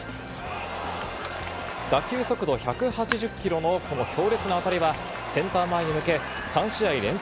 打球速度１８０キロのこの強烈な当たりは、センター前へ抜け、３試合連続